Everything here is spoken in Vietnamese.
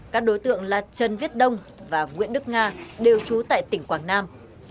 các đối tượng là trần viết đông và nguyễn đức nga đều trú tại tỉnh quảng nam